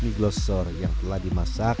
mie glosor yang telah dimasak